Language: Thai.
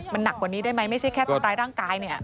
มันหนักกว่านี้ได้ไหมไม่ใช่แค่ทำร้ายร่างกายเนี่ย